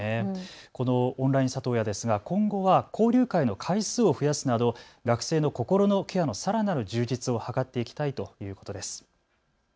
このオンライン里親ですが今後は交流会の回数を増やすなど学生の心のケアのさらなる充実を図っていきたいということです。。